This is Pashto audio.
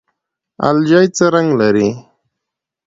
الجی څه رنګ لري؟